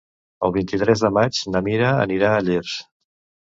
El vint-i-tres de maig na Mira anirà a Llers.